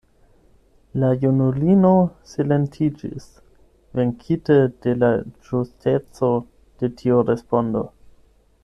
La junulino silentiĝis, venkite de la ĝusteco de tiu respondo.